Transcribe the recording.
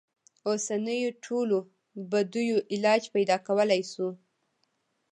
اوسنیو ټولو بدیو علاج پیدا کولای شو.